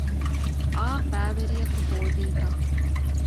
އާ ބައިވެރިއަކު ހޯދީތަ؟